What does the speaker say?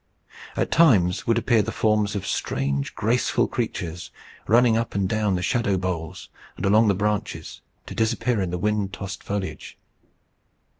At times would appear the forms of strange, graceful creatures, running up and down the shadow boles and along the branches, to disappear in the wind tossed foliage.